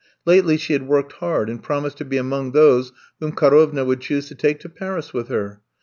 Lately she had worked hard, and promised to be among those whom Karovna would choose to take to Paris with her.